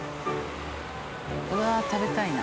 うわあ食べたいな。